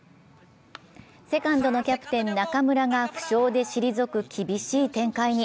セカンドのキャプテン・中村が負傷で退く厳しい展開に。